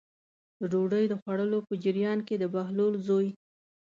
د ډوډۍ د خوړلو په جریان کې د بهلول زوی.